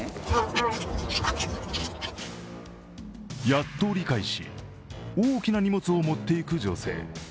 やっと理解し、大きな荷物を持っていく女性。